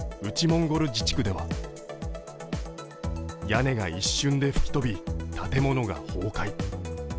モンゴル自治区では屋根が一瞬で吹き飛び、建物が崩壊。